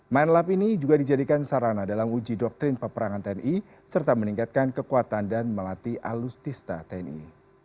main lab ini juga dijadikan sarana dalam uji doktrin peperangan tni serta meningkatkan kekuatan dan melatih alustista tni